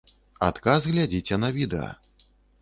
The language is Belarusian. Адказ глядзіце на відэа.